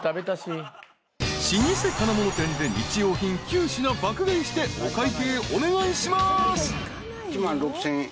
［老舗金物店で日用品９品爆買いしてお会計お願いします］